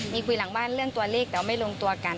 มีคุยหลังบ้านเรื่องตัวเลขแต่ว่าไม่ลงตัวกัน